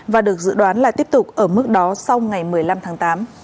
và được dự đoán là tiếp tục ở mức đó sau ngày một mươi năm tháng tám